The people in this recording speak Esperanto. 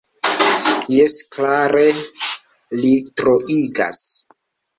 Jes klare, li troigas.